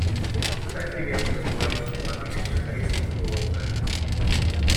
Китай приветствует положительные подвижки на Корейском полуострове.